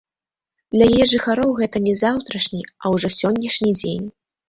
Для яе жыхароў гэта не заўтрашні, а ўжо сённяшні дзень.